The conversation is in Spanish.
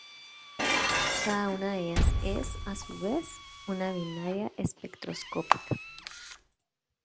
Cada una de ellas es, a su vez, una binaria espectroscópica.